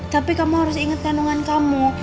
tapi kamu harus ingat kandungan kamu